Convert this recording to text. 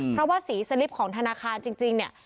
เพราะว่าสีสลิปของธนาคารจริงเนี่ย